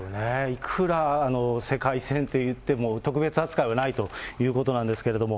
いくら世界戦といっても、特別扱いはないということなんですけれども。